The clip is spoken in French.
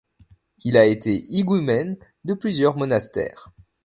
Il a été higoumène de plusieurs monastères.